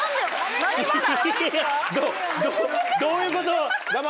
どういうこと？